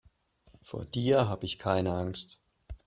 Vor dir habe ich keine Angst.